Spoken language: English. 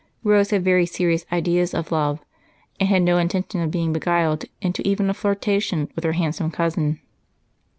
Rose had very serious ideas of love and had no intention of being beguiled into even a flirtation with her handsome cousin.